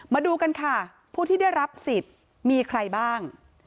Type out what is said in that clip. มาดูกันค่ะผู้ที่ได้รับสิทธิ์มีใครบ้าง